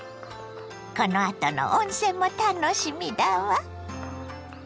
このあとの温泉も楽しみだわ。